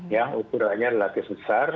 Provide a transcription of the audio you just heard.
yang ukurannya relatif besar